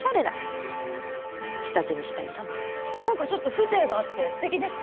なんかちょっと風情があってすてきですね！